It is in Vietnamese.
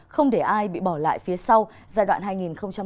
không để ai bị bỏ lại phía sau giai đoạn hai nghìn một mươi sáu hai nghìn hai mươi